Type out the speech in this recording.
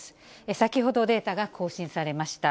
先ほどデータが更新されました。